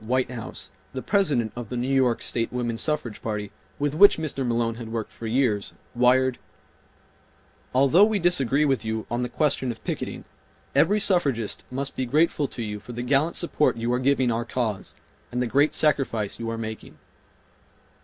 Whitehouse, the President of the New York State Woman Suffrage Party, with which Mr. Malone had worked for years, wired: "Although we disagree with you on the question of picketing every suffragist must be grateful to you for the gallant support you are giving our cause and the great sacrifice you are making."